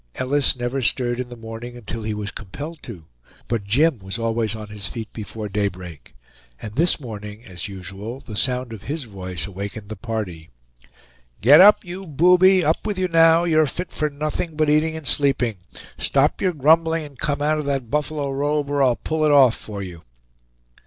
Ellis never stirred in the morning until he was compelled to, but Jim was always on his feet before daybreak; and this morning as usual the sound of his voice awakened the party. "Get up, you booby! up with you now, you're fit for nothing but eating and sleeping. Stop your grumbling and come out of that buffalo robe or I'll pull it off for you."